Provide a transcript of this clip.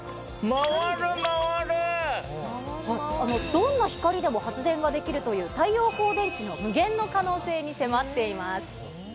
回どんな光でも発電ができるという、太陽光電池の無限の可能性に迫っていきます。